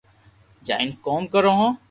جائين ڪوم ڪرو ھون